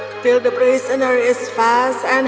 setelah penjara cepat dan burungnya tidak berhenti berbicara